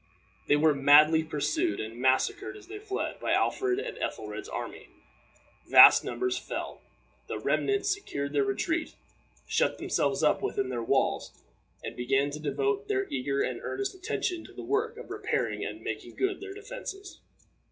They were madly pursued, and massacred as they fled, by Alfred's and Ethelred's army. Vast numbers fell. The remnant secured their retreat, shut themselves up within their walls, and began to devote their eager and earnest attention to the work of repairing and making good their defenses.